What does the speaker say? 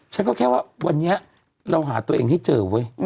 ฉันก็แค่ว่าวันนี้เราหาตัวเองให้เจอเว้ย